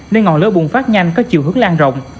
nên ngọn lửa bùng phát nhanh có chiều hướng lan rộng